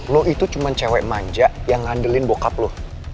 lo itu cuma cewek manja yang ngandelin bokap loh